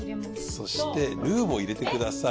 そしてルウも入れてください。